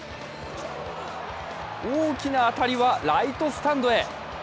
大きな当たりはライトスタンドへ。